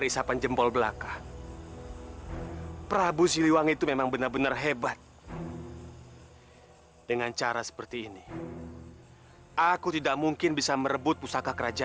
sampai jumpa di video selanjutnya